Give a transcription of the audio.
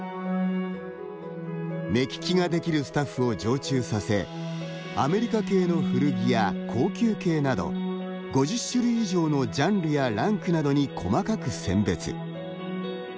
目利きができるスタッフを常駐させアメリカ系の古着や高級系など５０種類以上のジャンルやランクなどに細かく選別。